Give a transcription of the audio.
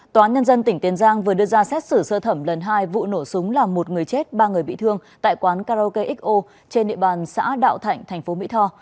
tòa án nhân dân tỉnh tiền giang vừa đưa ra xét xử sơ thẩm lần hai vụ nổ súng làm một người chết ba người bị thương tại quán karaoke xo trên địa bàn xã đạo thạnh thành phố mỹ tho